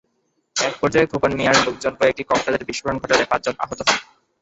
একপর্যায়ে খোকন মিয়ার লোকজন কয়েকটি ককটেলের বিস্ফোরণ ঘটালে পাঁচজন আহত হন।